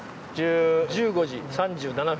１５時３７分。